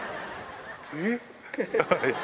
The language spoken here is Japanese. えっ？